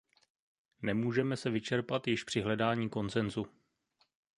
Nemůžeme se vyčerpat již při hledání konsensu.